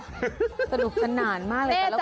สนุกสนานมากเลยแต่ละคน